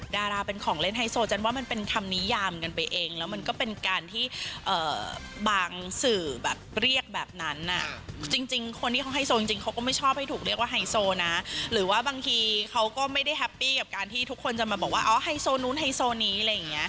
ดาราเป็นของเล่นไฮโซจันว่ามันเป็นคำนิยามกันไปเองแล้วมันก็เป็นการที่บางสื่อแบบเรียกแบบนั้นอ่ะจริงคนที่เขาไฮโซจริงเขาก็ไม่ชอบให้ถูกเรียกว่าไฮโซนะหรือว่าบางทีเขาก็ไม่ได้แฮปปี้กับการที่ทุกคนจะมาบอกว่าอ๋อไฮโซนู้นไฮโซนี้อะไรอย่างเงี้